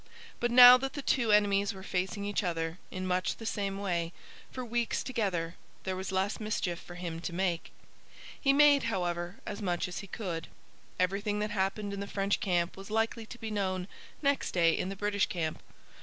But now that the two enemies were facing each other, in much the same way, for weeks together, there was less mischief for him to make. He made, however, as much as he could. Everything that happened in the French camp was likely to be known next day in the British camp.